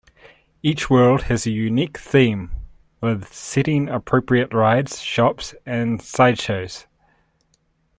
Each world has a unique theme, with setting-appropriate rides, shops, and sideshows.